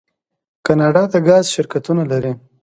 کاناډا د ګاز شرکتونه لري.